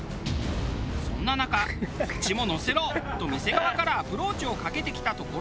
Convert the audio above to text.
そんな中「うちも載せろ」と店側からアプローチをかけてきた所があり。